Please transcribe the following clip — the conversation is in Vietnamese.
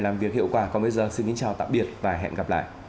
đăng ký kênh để ủng hộ kênh của mình nhé